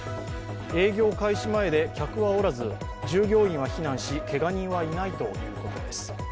営業開始前で客はおらず、従業員は避難し、けが人はいないということです。